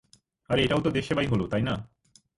আরে, এটাও তো দেশসেবাই হলো, তাই না?